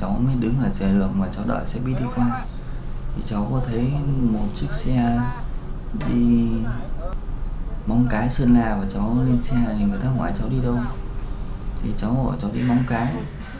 cháu mới đứng ở chìa đường và cháu đợi xe buýt đi qua thì cháu có thấy một chiếc xe đi mong cái sơn la và cháu lên xe này người ta hỏi cháu đi đâu thì cháu hỏi cháu đi mong cái